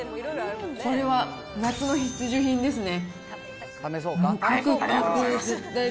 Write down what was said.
これは夏の必需品ですね。